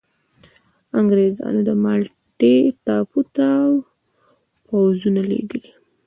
انګرېزانو د مالټا ټاپو ته پوځونه لېږلي.